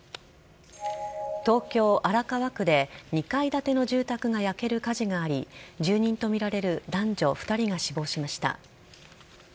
東京・荒川区で２階建ての住宅が焼ける火事があり住人とみられる男女２人が死亡しました。